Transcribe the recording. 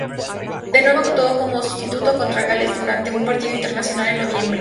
De nuevo actuó como sustituto contra Gales durante un partido internacional en noviembre.